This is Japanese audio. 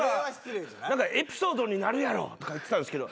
何かエピソードになるやろとか言ってたんですけど